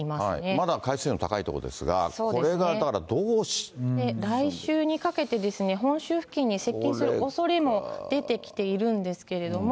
まだ海水温高い所ですが、来週にかけてですね、本州付近に接近する恐れも出てきているんですけれども。